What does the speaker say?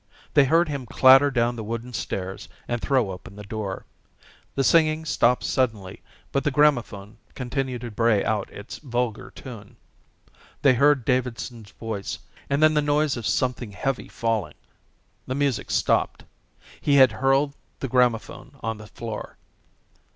They heard him clatter down the wooden stairs and throw open the door. The singing stopped suddenly, but the gramophone continued to bray out its vulgar tune. They heard Davidson's voice and then the noise of something heavy falling. The music stopped. He had hurled the gramophone on the floor.